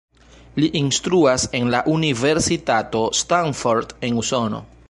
Li instruas en la Universitato Stanford en Usono.